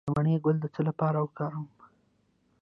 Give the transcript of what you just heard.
د مڼې ګل د څه لپاره وکاروم؟